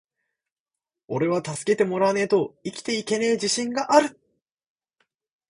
｢おれは助けてもらわねェと生きていけねェ自信がある!!!｣